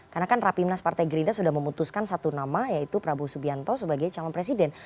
karena kan rapimnas partai gerindra sudah memutuskan satu nama yaitu prabowo subianto sebagai calon presiden